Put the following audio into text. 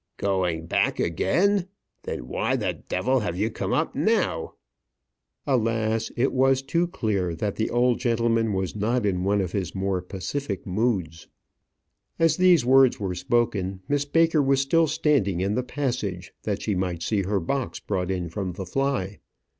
"Going back again! Then why the d have you come up now?" Alas! it was too clear that the old gentleman was not in one of his more pacific moods. As these words were spoken, Miss Baker was still standing in the passage, that she might see her box brought in from the fly.